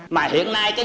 đặc biệt là ở nông thôn